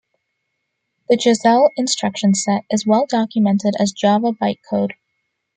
The Jazelle instruction set is well documented as Java bytecode.